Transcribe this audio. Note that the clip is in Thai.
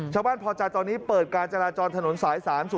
ชาวบ้านพอใจตอนนี้เปิดการจราจรถนนสาย๓๐